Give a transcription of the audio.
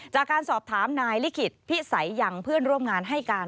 จากการสอบถามนายลิขิตพิสัยยังเพื่อนร่วมงานให้การ